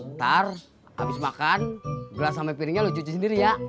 ntar habis makan gelas sampai piringnya lo cuci sendiri ya